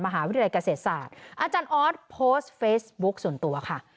มหาวิทยาลัยเกษตรศาสตร์อาจารย์ออสโพสต์เฟซบุ๊คส่วนตัวค่ะ